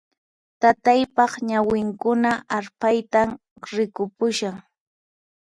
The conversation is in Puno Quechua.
Taytaypaq ñawinkuna arphaytan rikupushan